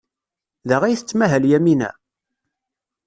Da ay tettmahal Yamina?